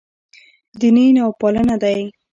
دیني نوپالنه دی.